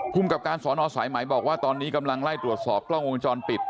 กับการสอนอสายไหมบอกว่าตอนนี้กำลังไล่ตรวจสอบกล้องวงจรปิด